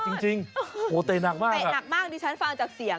พี่เค้าเจอกลางเลย